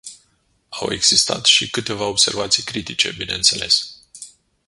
Au existat și câteva observații critice, bineînțeles.